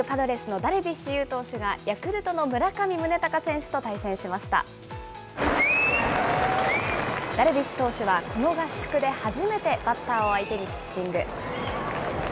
ダルビッシュ投手はこの合宿で初めてバッターを相手にピッチング。